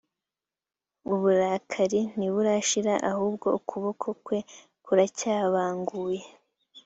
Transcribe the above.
uburakari ntiburashira ahubwo ukuboko kwe kuracyabanguye